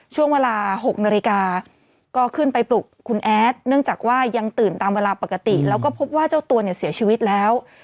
ช่วงเวลา๖นาฬิกาก็ขึ้นไปปลุกคุณแอดเนื่องจากว่ายังตื่นตามเวลาปกติแล้วก็พบว่าเจ้าตัวเนี่ยเสียชีวิตแล้ว